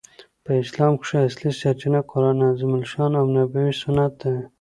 په اسلام کښي اصلي سرچینه قران عظیم الشان او نبوي سنت ده.